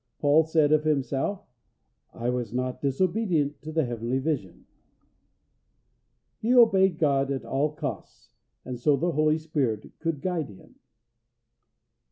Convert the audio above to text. Paul said of himself, "I was not disobedient to the heavenly vision." He obeyed God at all costs, and so the Holy Spirit could guide him.